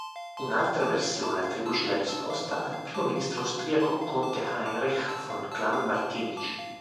Un'altra versione attribuisce la risposta al primo ministro austriaco conte Heinrich von Clam-Martinic.